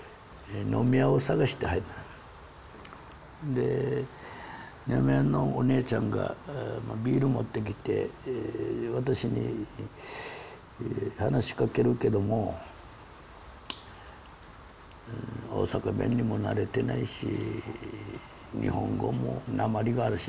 で飲み屋のおねえちゃんがビール持ってきて私に話しかけるけども大阪弁にも慣れてないし日本語もなまりがあるしね